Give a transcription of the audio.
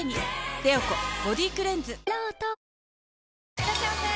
いらっしゃいませ！